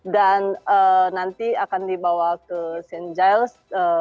dan nanti akan dibawa ke st giles